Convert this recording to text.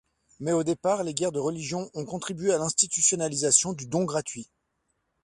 Mais au départ, les guerres de religion ont contribué à l’institutionnalisation du don gratuit.